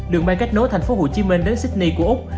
đường bay kết nối tp hcm đến sydney của úc